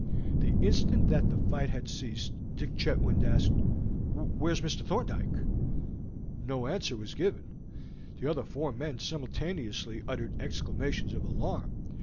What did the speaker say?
The instant that the fight had ceased Dick Chetwynd asked, "Where is Mr. Thorndyke?" No answer was given. The other four men simultaneously uttered exclamations of alarm.